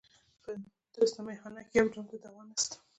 په درسته مېخانه کي یو جام د دوا نسته